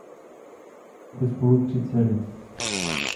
Měli spolu tři dcery.